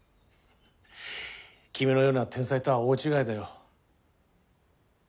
君のような天才とは大違いだよ